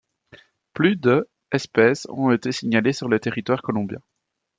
Plus de espèces ont été signalées sur le territoire colombien.